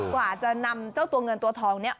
กว่าจะนำเจ้าตัวเงินตัวทองเนี่ย